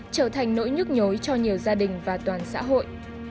trở thành nỗi nhức nhối cho nhiều gia đình và toàn xã hội